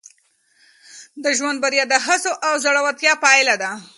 د ژوند بریا د هڅو او زړورتیا پایله ده.